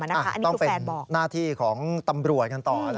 อันนี้คือแฟนบอกต้องเป็นหน้าที่ของตำรวจกันต่อ